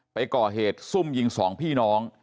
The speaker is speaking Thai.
ไปก่อเหตุซุ่มยิงสองพี่น้อง